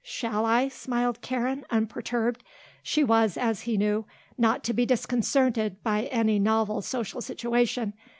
"Shall I?" smiled Karen, unperturbed. She was, as he knew, not to be disconcerted by any novel social situation.